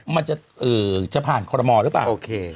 มันจะผ่านคอรมอลหรือเปล่าโอเค